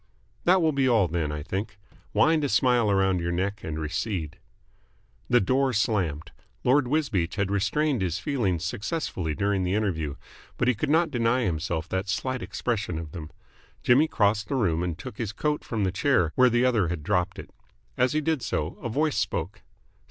"That will be all then, I think. Wind a smile around your neck and recede." The door slammed. Lord Wisbeach had restrained his feelings successfully during the interview, but he could not deny himself that slight expression of them. Jimmy crossed the room and took his coat from the chair where the other had dropped it. As he did so a voice spoke.